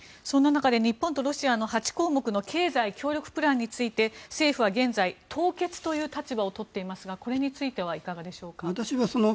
そんな中で日本とロシアの８項目の経済協力プランについて政府は現在凍結という立場をとっていますがこれについてはいかがでしょうか。